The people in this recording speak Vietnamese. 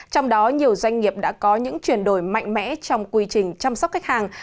trong đó nhiều doanh nghiệp đã có những chuyển đổi mạnh mẽ trong quy trình chăm sóc khách hàng